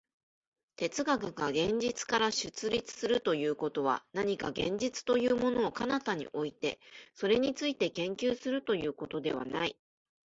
哲学が現実から出立するということは、何か現実というものを彼方に置いて、それについて研究するということではない。